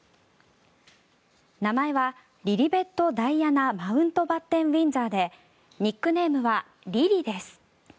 名前はリリベット・ダイアナ・マウントバッテン・ウィンザーでニックネームはリリです。